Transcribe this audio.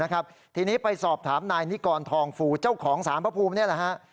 ทีนี้ไปสอบถามนายนิกรทองฟูเจ้าของสารพระภูมินี่แหละฮะ